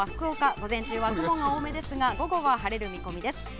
午前中は雲が多めですが午後は晴れるでしょう。